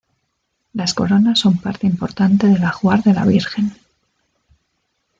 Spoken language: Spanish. Las coronas son parte importante del ajuar de la Virgen.